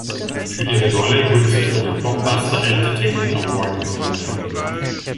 Für ihre Rolle wurde sie für den "Blockbuster Entertainment Award" nominiert.